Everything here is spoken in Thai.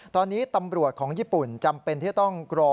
ตอนนี้ตำรวจของญี่ปุ่นจำเป็นที่ต้องรอ